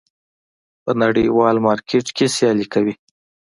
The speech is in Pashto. په نړیوال مارکېټ کې سیالي کوي.